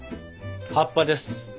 葉っぱです。